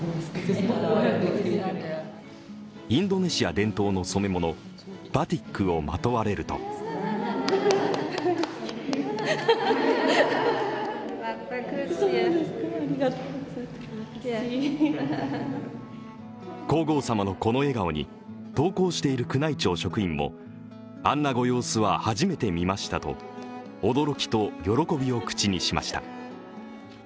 インドネシア伝統の染め物バティックをまとわれると皇后さまのこの笑顔に、同行している宮内庁職員も、あんなご様子は初めて見ましたと驚きと喜びを口にしました。